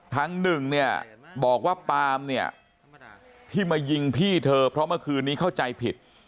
ทางหนึ่งเนี่ยบอกว่าปาล์มเนี่ยที่มายิงพี่เธอเพราะเมื่อคืนนี้เข้าใจผิด